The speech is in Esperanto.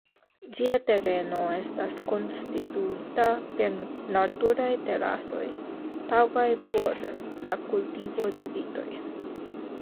Ĝia tereno estas konstituita per naturaj terasoj taŭgaj por la kultivo de vitoj.